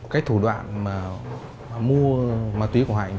cái thủ đoạn mà mua ma túy của hạnh